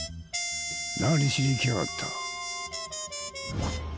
何しに来やがった。